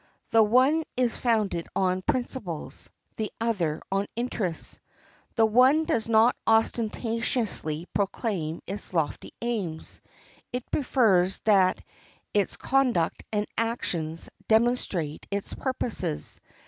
The one is founded on principles, the other on interests. The one does not ostentatiously proclaim its lofty aims; it prefers that its conduct and actions demonstrate its purposes.